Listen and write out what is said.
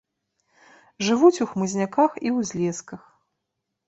Жывуць у хмызняках і ўзлесках.